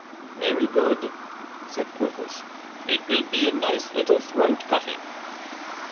"Very good," said Porthos; "it will be a nice little throat cutting."